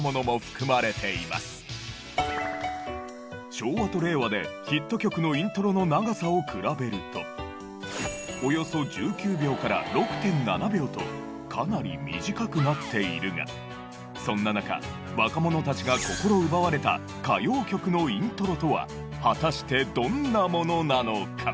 昭和と令和でヒット曲のイントロの長さを比べるとおよそ１９秒から６．７秒とかなり短くなっているがそんな中若者たちが心を奪われた歌謡曲のイントロとは果たしてどんなものなのか？